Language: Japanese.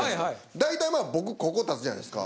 大体まあ僕ここ立つじゃないですか。